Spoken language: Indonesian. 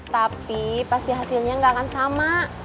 tapi pasti hasilnya nggak akan sama